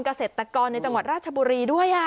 เกษตรกรในจังหวัดราชบุรีด้วย